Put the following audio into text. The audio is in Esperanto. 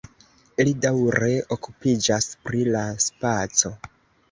Li daŭre okupiĝas pri la spaco.